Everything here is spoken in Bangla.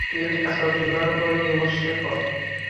তুই এক কাজ কর, চুলার উপর গিয়ে বসে পড়।